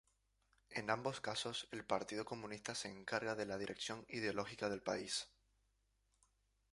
En ambos casos el partido comunista se encarga de la dirección ideológica del país.